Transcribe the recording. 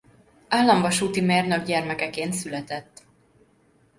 Államvasúti mérnök gyermekeként született.